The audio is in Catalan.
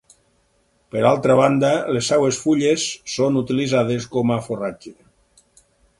Per altra banda les seves fulles són utilitzades com a farratge.